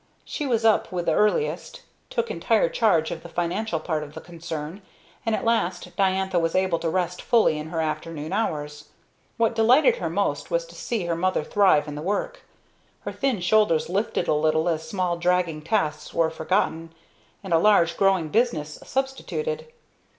She was up with the earliest, took entire charge of the financial part of the concern, and at last Diantha was able to rest fully in her afternoon hours. What delighted her most was to see her mother thrive in the work. Her thin shoulders lifted a little as small dragging tasks were forgotten and a large growing business substituted.